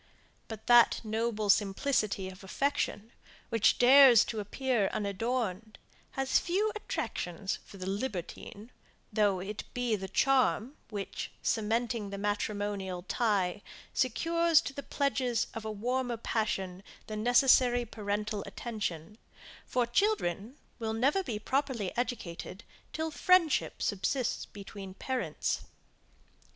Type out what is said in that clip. But that noble simplicity of affection, which dares to appear unadorned, has few attractions for the libertine, though it be the charm, which, by cementing the matrimonial tie, secures to the pledges of a warmer passion the necessary parental attention; for children will never be properly educated till friendship subsists between parents.